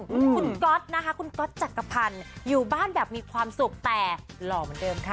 คุณก๊อตนะคะคุณก๊อตจักรพันธ์อยู่บ้านแบบมีความสุขแต่หล่อเหมือนเดิมค่ะ